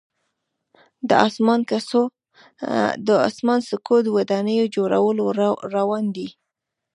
د اسمان څکو ودانیو جوړول روان دي.